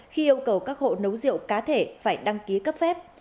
khi yêu cầu các hộ nấu rượu cá thể phải đăng ký cấp phép